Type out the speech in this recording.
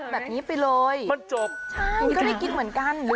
มันก็ไม่เหมือนกันนะ